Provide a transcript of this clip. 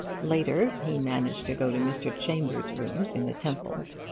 Later he managed to go to Mr. Chambers' rooms in the Temple.